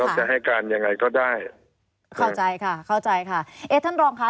จะให้การยังไงก็ได้เข้าใจค่ะเข้าใจค่ะเอ๊ะท่านรองค่ะ